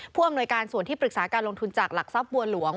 ผู้อำนวยการส่วนที่ปรึกษาการลงทุนจากหลักทรัพย์บัวหลวง